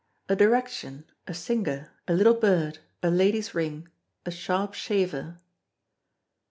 A direction, a singer, a little bird, a lady's ring, a sharp shaver.